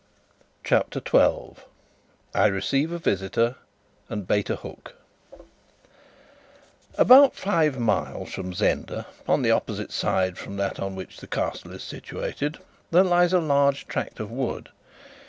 CHAPTER 12 I Receive a Visitor and Bait a Hook About five miles from Zenda on the opposite side from that on which the Castle is situated, there lies a large tract of wood.